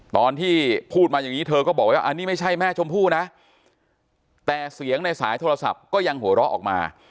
ตอนที่พูดมาอย่างนี้เธอก็บอกว่าอันนี้ไม่ใช่แม่ชมพู่นะแต่เสียงในสายโทรศัพท์ก็ยังหัวเราะออกมา